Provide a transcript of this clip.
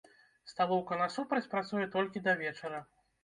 Сталоўка насупраць працуе толькі да вечара.